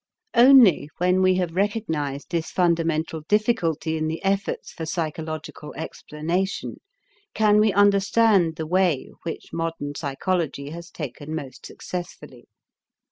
Only when we have recognized this fundamental difficulty in the efforts for psychological explanation, can we understand the way which modern psychology has taken most successfully.